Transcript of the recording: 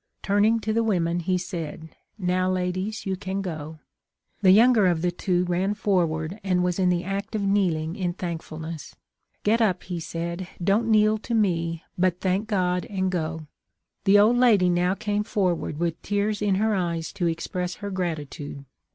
Turning to the women he said, ' Now, ladies, you can go.' The younger of the two ran forward and was in the act of kneeling in thankfulness. ' Get up,' he said; ' don't kneel to me, but thank God and go.' The old lady now came forward with tears in her THE LIFE OF LINCOLN. 527 eyes to express her gratitude.